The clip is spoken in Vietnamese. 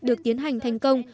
được tiến hành thành công